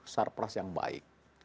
surplus yang baik